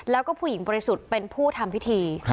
แล้วก็ผู้หญิงบริสุทธิ์เป็นผู้ทำพิธี